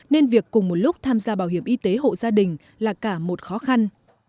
nên việc cùng một lúc tham gia bảo hiểm y tế hộ gia đình là cả một khó khăn